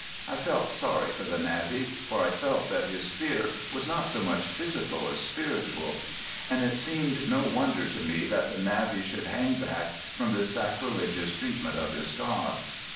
I felt sorry for the Navvy, for I felt that his fear was not so much physical as spiritual. And it seemed no wonder to me that the Navvy should hang back from this sacrilegious treatment of his god.